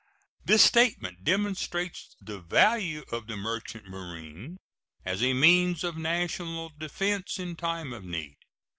This statement demonstrates the value of the merchant marine as a means of national defense in time of need.